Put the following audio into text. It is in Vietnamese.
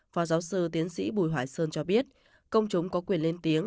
phó giáo sư tiến sĩ bùi hoài sơn cho biết công chúng có quyền lên tiếng